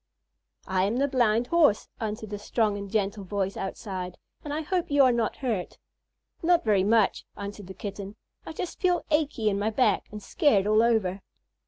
"I am the Blind Horse," answered a strong and gentle voice outside, "and I hope you are not hurt." "Not very much," answered the Kitten. "I just feel ache y in my back and scared all over."